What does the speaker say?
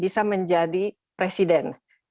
bisa menjadi presiden